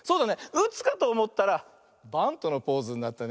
うつかとおもったらバントのポーズになったね。